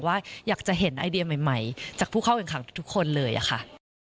ว่าอยากจะเห็นไอเดียใหม่จากผู้เข้าแข่งขันทุกคนเลยอะค่ะ